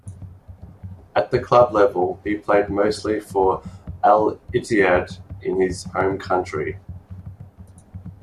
At the club level, he played mostly for Al-Ittihad in his home country.